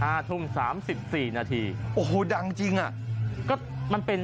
ทุ่มสามสิบสี่นาทีโอ้โหดังจริงอ่ะก็มันเป็น